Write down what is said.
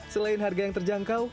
selain harga yang terjangkau